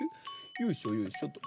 よいしょよいしょっと。